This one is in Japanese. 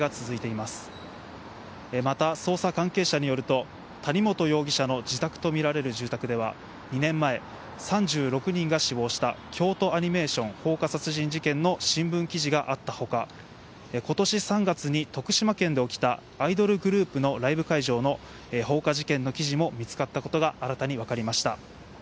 また、捜査関係者によると、谷本容疑者の自宅と見られる住宅では、２年前、３６人が死亡した京都アニメーション放火殺人事件の新聞記事があったほか、ことし３月に徳島県で起きた、アイドルグループのライブ会場の放火事件の記事も見つかったことが新たに分かりました。